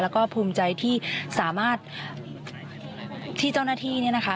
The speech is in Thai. แล้วก็ภูมิใจที่สามารถที่เจ้าหน้าที่เนี่ยนะคะ